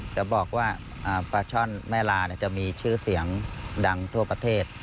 จะบอกว่าปลาช่อนแม่ลาจะมีชื่อเสียงดังทั่วประเทศ